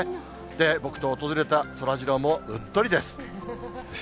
僕と訪れたそらジローも、うっとりです。